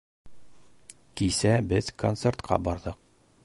Кисә беҙ концертҡа барҙыҡ